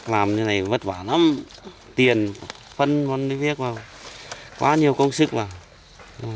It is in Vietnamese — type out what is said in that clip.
làm như thế này vất vả lắm tiền phân ngón nước viết vào quá nhiều công sức vào